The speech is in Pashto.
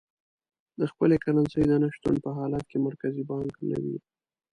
د خپلې کرنسۍ د نه شتون په حالت کې مرکزي بانک نه وي.